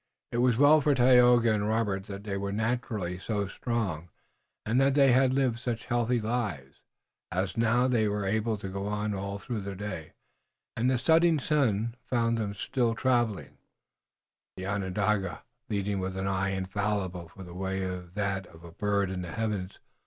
It was well for Tayoga and Robert that they were naturally so strong and that they had lived such healthy lives, as now they were able to go on all through the day, and the setting sun found them still traveling, the Onondaga leading with an eye as infallible for the way as that of a bird in the heavens.